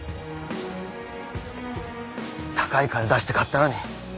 高い金出して買ったのに。